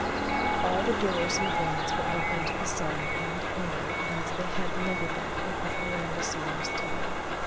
All the doors and blinds were open to the sun and air as they had never been in Miss Miranda Sawyer's time.